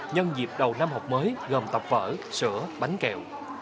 nhân dịp đầu năm học mới gồm tập vở sữa bánh kẹo